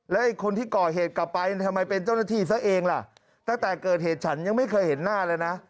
แล้วไอ้คนที่ก่อเหตุกลับไปทำไมเป็นเจ้าหน้าที่ซะเองล่ะตั้งแต่เกิดเหตุฉันยังไม่เคยเห็นหน้าเลยนะ